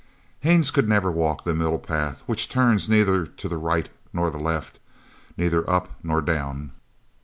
Haines could never walk that middle path which turns neither to the right nor the left, neither up nor down.